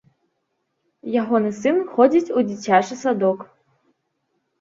Ягоны сын ходзіць у дзіцячы садок.